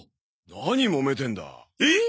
何もめてんだ？えっ？